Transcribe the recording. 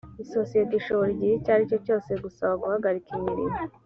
isosiyete ishobora igihe icyo ari cyo cyose gusaba guhagarika imirimo